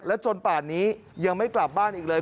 จนป่านนี้ยังไม่กลับบ้านอีกเลย